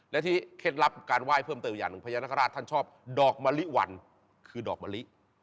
และที่เคล็ดลับการไหว้เพิ่มเติมอีกอย่างหนึ่งพญานาคาราชท่านชอบดอกมะลิวันคือดอกมะลิ